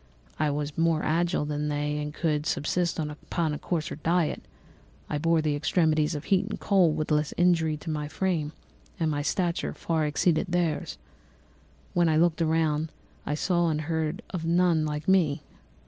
I was more agile than they and could subsist upon coarser diet; I bore the extremes of heat and cold with less injury to my frame; my stature far exceeded theirs. When I looked around I saw and heard of none like me.